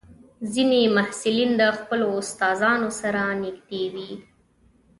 ځینې محصلین د خپلو استادانو سره نږدې وي.